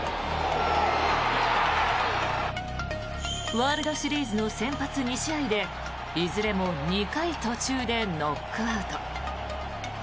ワールドシリーズの先発２試合でいずれも２回途中でノックアウト。